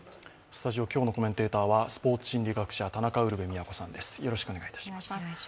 スタジオ、今日のコメンテーターはスポーツ心理学者、田中ウルヴェ京さんです。